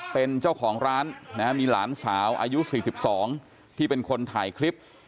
เป็นเจ้าของร้านมีหลานสาวอายุ๔๒ที่เป็นคนถ่ายคลิป